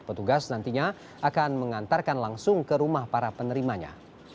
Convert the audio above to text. petugas nantinya akan mengantarkan langsung ke rumah para penerimanya